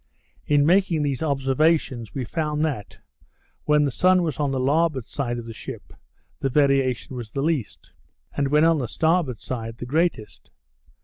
In making these observations, we found that, when the sun was on the larboard side of the ship, the variation was the least; and when on the starboard side, the greatest.